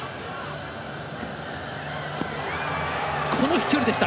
この飛距離でした。